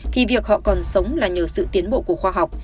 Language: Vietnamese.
thì việc họ còn sống là nhờ sự tiến bộ của khoa học